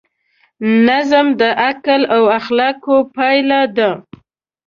نظم د عقل او اخلاقو پایله ده.